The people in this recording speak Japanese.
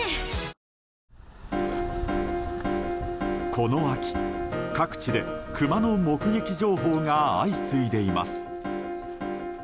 この秋、各地でクマの目撃情報が相次いでいます。